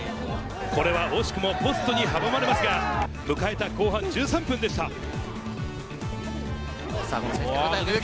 これは惜しくもポストに阻まれますが、迎えた後半１３分でした。